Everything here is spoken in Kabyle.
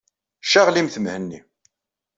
Ccaɣlimt Mhenni.